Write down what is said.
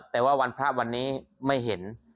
แต่ว่าในภาพวันนี้ไม่เห็น